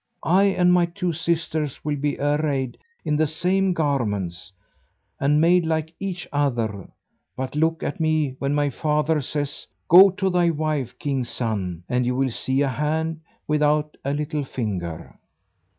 I and my two sisters will be arrayed in the same garments, and made like each other, but look at me when my father says, 'Go to thy wife, king's son;' and you will see a hand without a little finger."